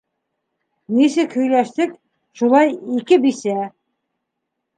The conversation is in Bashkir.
Нисек һөйләштек, шулай ике бисә!